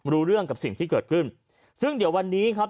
รู้เรื่องกับสิ่งที่เกิดขึ้นซึ่งเดี๋ยววันนี้ครับ